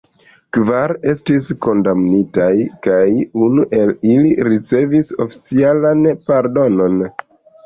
Kvar estis kondamnitaj, kaj unu el ili ricevis oficialan pardonon.